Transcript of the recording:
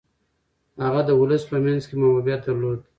هغه د ولس په منځ کي محبوبیت درلود.